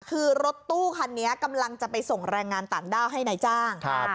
คือรถตู้คันนี้กำลังจะไปส่งแรงงานต่างด้าวให้นายจ้าง